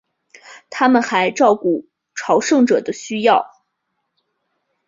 他们还照顾朝圣者的需要。